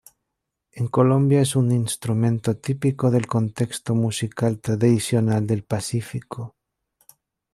En Colombia es un instrumento típico del contexto musical tradicional del Pacífico.